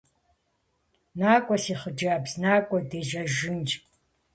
НакӀуэ, си хъыджэбз, накӀуэ, дежьэжынщ.